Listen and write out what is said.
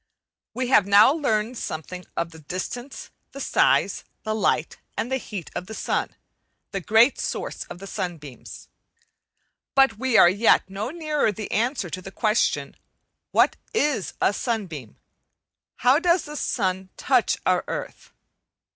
Week 4 We have now learnt something of the distance, the size, the light, and the heat of the sun the great source of the sunbeams. But we are as yet no nearer the answer to the question, What is a sunbeam? how does the sun touch our earth?